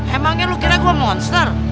emangnya lu kira gua monster